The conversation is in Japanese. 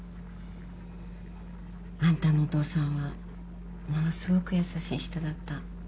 あんたのお父さんはものすごく優しい人だった。